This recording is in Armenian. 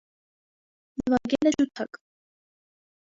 Նվագել է ջութակ։